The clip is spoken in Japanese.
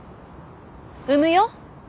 産むよ。